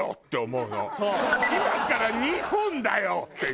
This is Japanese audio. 今から２本だよ！っていう。